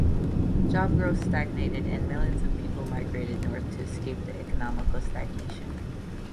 Job growth stagnated and millions of people migrate North to escape the economic stagnation.